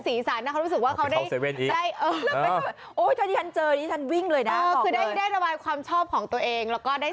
กลางคืนเขาหลับคุณฮีเด็กเตอร์ก็หลับเป็นนะ